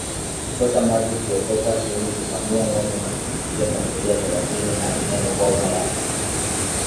kuchota maji kuokota kuni kukamua ngombe na kupikia familia thelathini na nneNgoma ya